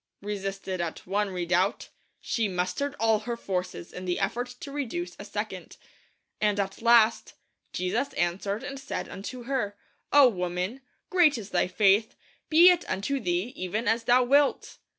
Resisted at one redoubt, she mustered all her forces in the effort to reduce a second. And at last 'Jesus answered and said unto her, O woman, great is thy faith; be it unto thee even as thou wilt!'